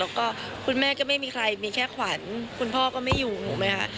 แล้วก็คุณแม่ก็ไม่มีใครมีแค่ขวัญคุณพ่อก็ไม่อยู่ถูกไหมคะ